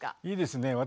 いいですね。